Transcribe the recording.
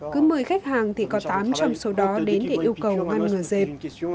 cứ một mươi khách hàng thì có tám trong số đó đến để yêu cầu ngăn ngừa dẹp